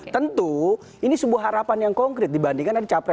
tentu ini sebuah harapan yang konkret dibandingkan dengan kontrak politik